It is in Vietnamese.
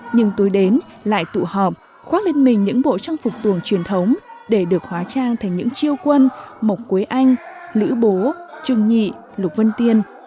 nhưng tôi đến lại tụ họp khoác lên mình những bộ trang phục tuồng truyền thống để được hóa trang thành những chiêu quân mộc quế anh lữ bố trường nhị lục vân tiên